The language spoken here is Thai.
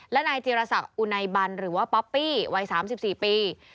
และนายจีรศักดิ์อุไนบันหรือว่าป๊อปปี้วัย๓๔ปี